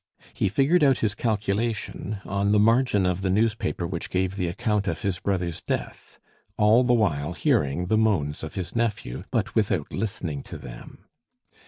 He figured out his calculation on the margin of the newspaper which gave the account of his brother's death, all the while hearing the moans of his nephew, but without listening to them.